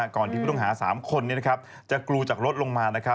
ก่อนที่ผู้ต้องหา๓คนจะกรูจากรถลงมา